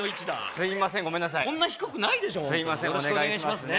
すいませんお願いしますね